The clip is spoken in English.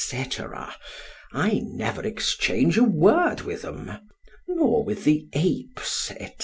——I never exchange a word with them——nor with the apes, &c.